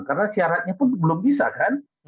karena syaratnya pun belum bisa kan